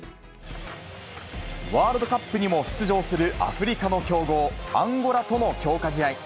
ワールドカップにも出場するアフリカの強豪、アンゴラとの強化試合。